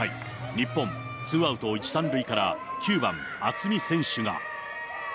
日本、ツーアウト１、３塁から９番渥美選手が。